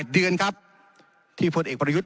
๗เดือนครับที่พลเอกประยุทธ์